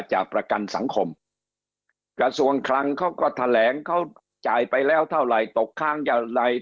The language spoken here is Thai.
จากประกันสังคมกระทรวงคลังเขาก็แถลงเขาจ่ายไปแล้วเท่าไหร่ตกค้างอย่างไร